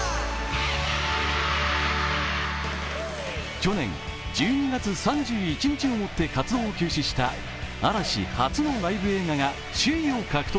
去年１２月３１日をもって活動を休止した嵐初のライブ映画が首位を獲得。